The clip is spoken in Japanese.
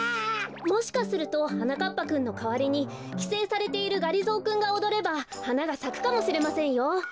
もしかするとはなかっぱくんのかわりにきせいされているがりぞーくんがおどればはながさくかもしれませんよ。